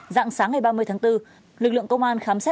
dạng sáng ngày ba mươi tháng bốn lực lượng công an khám xét